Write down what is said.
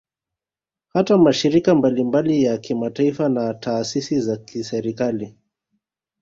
Hata mashirika mbalimbali ya kimataifa na taasisi za kiserikali